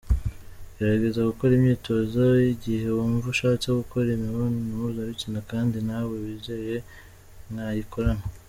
Gerageza gukora imyitozo igihe wumva ushatse gukora imibonano mpuzabitsina kandi ntawe wizeye mwayikorana.